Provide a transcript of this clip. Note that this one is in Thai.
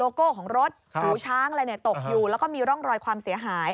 โก้ของรถหูช้างอะไรเนี่ยตกอยู่แล้วก็มีร่องรอยความเสียหาย